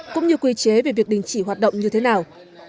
cũng như quy chế về việc đình chỉ hoạt động như thế nào